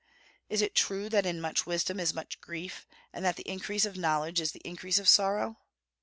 Is it true that in much wisdom is much grief, and that the increase of knowledge is the increase of sorrow?